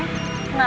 kok gak diangkat